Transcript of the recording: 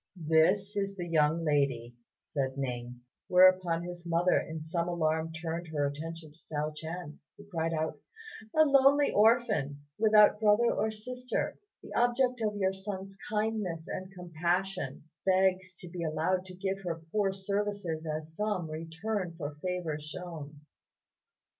"This is the young lady," said Ning; whereupon his mother in some alarm turned her attention to Hsiao ch'ien, who cried out, "A lonely orphan, without brother or sister, the object of your son's kindness and compassion, begs to be allowed to give her poor services as some return for favours shewn."